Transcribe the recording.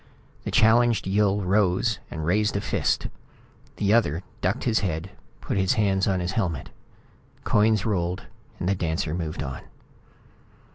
The challenged Yill rose and raised a fist. The other ducked his head, put his hands on his helmet. Coins rolled. The dancer moved on.